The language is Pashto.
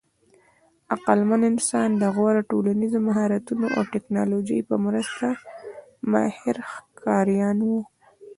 عقلمن انسان د غوره ټولنیزو مهارتونو او ټېکنالوژۍ په مرسته ماهر ښکاریان وو.